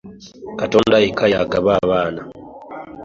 Katonda yekka y'agaba abaana.